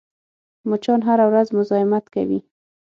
مچان هره ورځ مزاحمت کوي